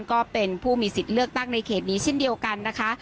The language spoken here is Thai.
ก็เป็นผู้มีสิทธิ์เลือกตั้งในเขตนี้เช่นเดียวกันนะคะ